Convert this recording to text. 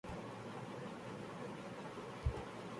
ٹزم کو شیزوفیرینیا کی علامت قرار دینے پر سونیا حسین کو تنقید کا سامنا